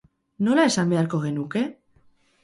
Nola esan beharko genuke?